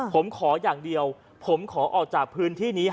ผมขออย่างเดียวผมขอออกจากพื้นที่นี้